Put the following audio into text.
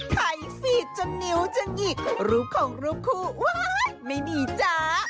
ไฟฟีดจนนิ้วจะหงิกรูปของรูปคู่ว้ายไม่มีจ้า